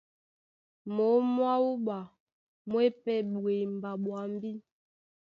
Mǒm mwá wúɓa mú e pɛ́ ɓwemba ɓwambí.